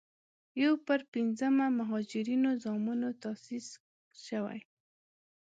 یو پر پينځمه مهاجرینو زامنو تاسیس شوې.